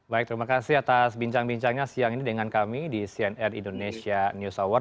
baik terima kasih atas bincang bincangnya siang ini dengan kami di cnn indonesia news hour